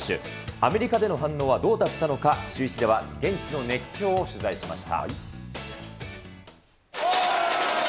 アメリカでの反応はどうだったのか、シューイチでは現地の熱狂を取材しました。